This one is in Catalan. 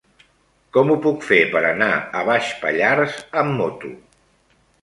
Com ho puc fer per anar a Baix Pallars amb moto?